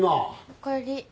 おかえり。